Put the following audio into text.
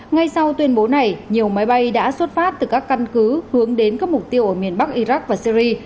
ngay sau tuyên bố này nhiều máy bay đã xuất phát từ các căn cứ hướng đến các mục tiêu ở miền bắc iraq và syri